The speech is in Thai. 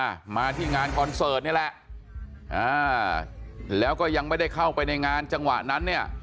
มาที่งานคอนเสิร์ตนี่แหละอ่าแล้วก็ยังไม่ได้เข้าไปในงานจังหวะนั้นเนี่ย